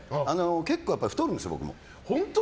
結構太るんですよ、僕も。